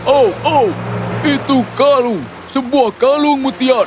oh oh itu kalu sebuah kalung mutiara